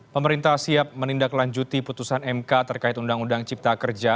pemerintah siap menindaklanjuti putusan mk terkait undang undang cipta kerja